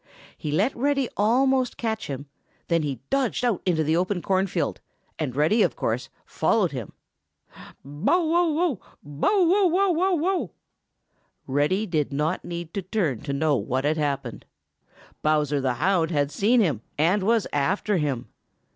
He let Reddy almost catch him, then he dodged out into the open corn field, and Reddy, of course, followed him, "Bow wow, bow wow wow!" Reddy did not need to turn to know what had happened. Bowser the Hound had seen him and was after him.